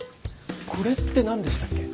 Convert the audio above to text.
これって何でしたっけ？